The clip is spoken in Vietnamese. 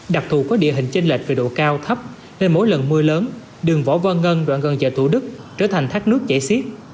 đặc thù có địa hình chênh lệch về độ cao thấp nên mỗi lần mưa lớn đường võ văn ngân đoạn gần chợ thủ đức trở thành thác nước chảy xiết